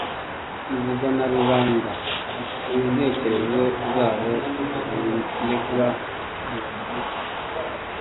ivugwa na rubanda ku ntekerezo zabo zigenura ingoma.